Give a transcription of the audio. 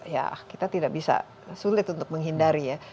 ya kita tidak bisa sulit untuk menghindari ya